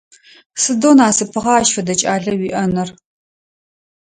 Сыдэу насыпыгъа ащ фэдэ кӏалэ уиӏэныр!